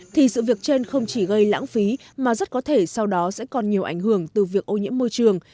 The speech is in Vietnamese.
thì sự việc trên không chỉ gây lãng phí mà rất có thể sau đó sẽ còn nhiều ảnh hưởng từ việc ô nhiễm môi trường